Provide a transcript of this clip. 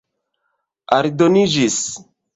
aldoniĝis